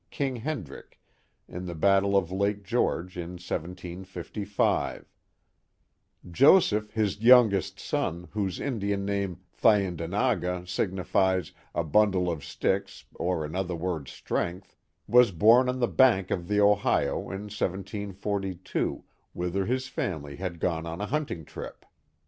King Hendriek, in the battle of I.ake George, in I7SS Joseph, his young est son, whose Indian name, Thayendanegea, signifies "a bundle of sticks," or, in other wotds," strength," was born on the hank of the Ohio, in 174; whither his family had gone n a hunting trip.